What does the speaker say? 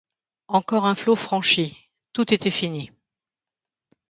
Encore un flot franchi, tout était fini.